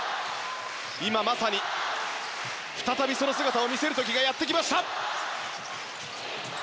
今まさに再びその姿を見せる時がやってきました。